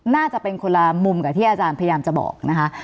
น่าจะเป็นคนละมุมกับที่อาจารย์พยายามจะบอกนะคะ